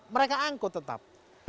mereka angkut tetap